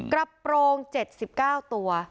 กระโปรง๗๙ตัว